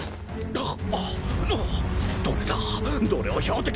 あっ！？